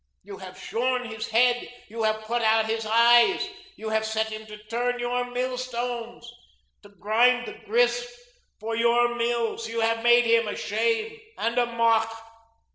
You have shorn his head; you have put out his eyes; you have set him to turn your millstones, to grind the grist for your mills; you have made him a shame and a mock.